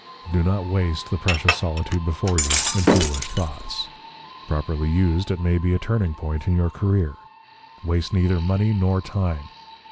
Do not waste the precious solitude before you in foolish thoughts. Properly used, it may be a turning point in your career. Waste neither money nor time.